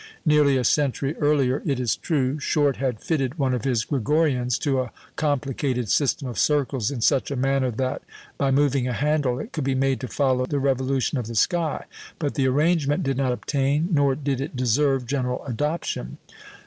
" Nearly a century earlier, it is true, Short had fitted one of his Gregorians to a complicated system of circles in such a manner that, by moving a handle, it could be made to follow the revolution of the sky; but the arrangement did not obtain, nor did it deserve, general adoption.